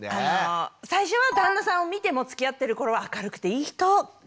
最初は旦那さんを見てもつきあってる頃は明るくていい人すてきだなと思ってたんです。